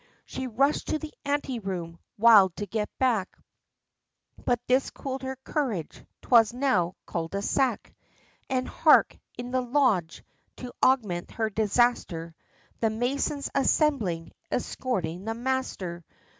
She rush'd to the ante room, wild to get back, But this cooled her courage, 'twas now cul de sac; And hark! In the Lodge to augment her disaster The Masons assembling, escorting the Master!